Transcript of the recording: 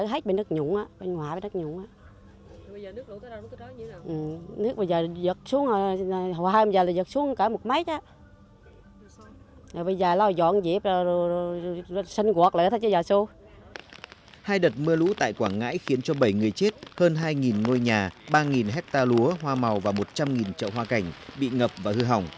hai đợt mưa lũ tại quảng ngãi khiến cho bảy người chết hơn hai ngôi nhà ba hecta lúa hoa màu và một trăm linh chậu hoa cảnh bị ngập và hư hỏng